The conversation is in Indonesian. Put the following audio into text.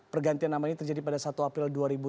pergantian nama ini terjadi pada satu april